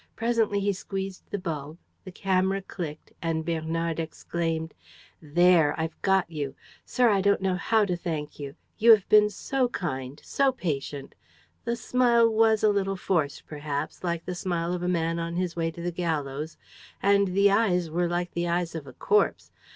Presently he squeezed the bulb, the camera clicked and Bernard exclaimed: "There! I've got you! Sir, I don't know how to thank you. You have been so kind, so patient. The smile was a little forced perhaps, like the smile of a man on his way to the gallows, and the eyes were like the eyes of a corpse.